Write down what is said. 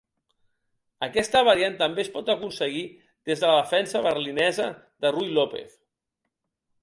Aquesta variant també es pot aconseguir des de la defensa berlinesa de Ruy López.